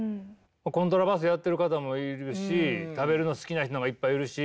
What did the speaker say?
コントラバスやってる方もいるし食べるの好きな人なんかいっぱいいるし。